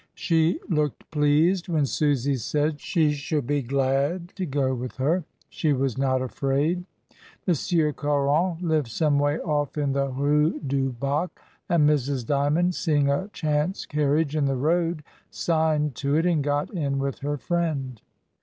She looked pleased when Susy said she should be glad to go with her, she was not afraid. Monsieur Caron lived some way off in the Rue du Bac, and Mrs. Dymond, seeing a chance carriage in the road, signed to it, and got in with her friend.